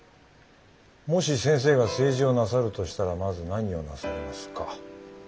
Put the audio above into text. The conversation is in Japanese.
「もし先生が政治をなさるとしたらまず何をなさいますか？」。